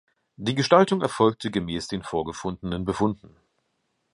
Die Gestaltung erfolgte gemäß den vorgefundenen Befunden.